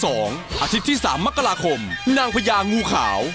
อาทิตย์ที่๓มกราคมนางพญางูขาว